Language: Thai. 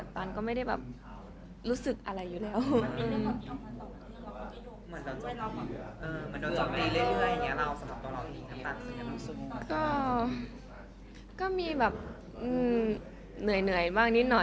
ตันก็ไม่ได้แบบรู้สึกอะไรอยู่แล้ว